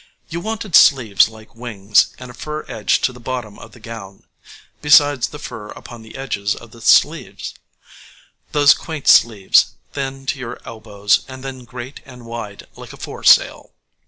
You wanted sleeves like wings, and a fur edge to the bottom of the gown, besides the fur upon the edges of the sleeves those quaint sleeves, thin to your elbows, and then great and wide, like a foresail.